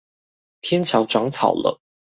天橋長草了